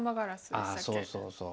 あそうそうそう。